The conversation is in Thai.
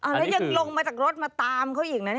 แล้วยังลงมาจากรถมาตามเขาอีกนะ